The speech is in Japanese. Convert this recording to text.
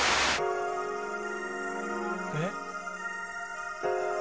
「えっ？」